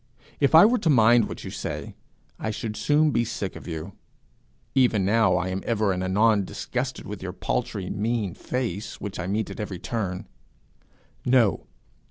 If I were to mind what you say, I should soon be sick of you; even now I am ever and anon disgusted with your paltry, mean face, which I meet at every turn. No!